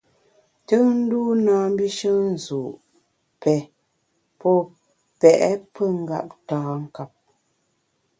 Tùnndû na mbishe nzu’, pè, pô pèt pengeptankap.